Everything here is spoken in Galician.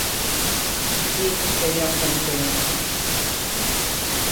Si, señor Centeo.